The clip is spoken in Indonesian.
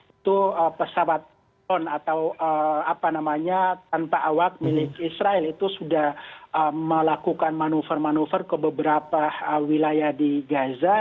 itu pesawat ton atau apa namanya tanpa awak milik israel itu sudah melakukan manuver manuver ke beberapa wilayah di gaza